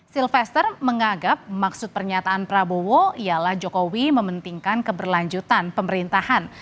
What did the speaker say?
silvester menganggap maksud pernyataan prabowo ialah jokowi mementingkan keberlanjutan pemerintahan